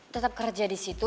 tetap kerja disitu